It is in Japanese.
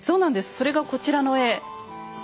それがこちらの絵。